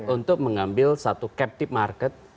untuk mengambil satu captive market